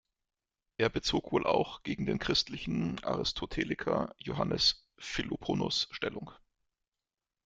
Er bezog wohl auch gegen den christlichen Aristoteliker Johannes Philoponos Stellung.